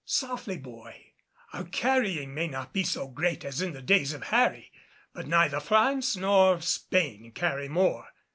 "Softly, boy. Our carrying may not be so great as in the days of Harry, but neither France nor Spain carry more.